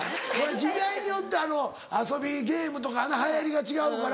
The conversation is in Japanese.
時代によって遊びゲームとか流行りが違うから。